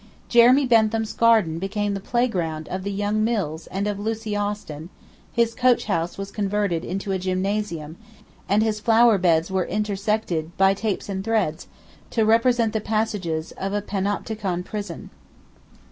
Jeremy Bentham's garden became the playground of the young Mills and of Lucie Austin; his coach house was converted into a gymnasium, and his flower beds were intersected by tapes and threads to represent the passages of a panopticon prison.